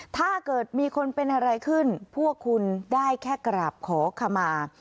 ถ้าเกิดมีคนเป็นอะไรขึ้นพวกคุณได้แค่กราบขอขมา